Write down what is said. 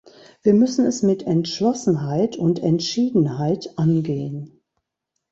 Wir müssen es mit Entschlossenheit und Entschiedenheit angehen.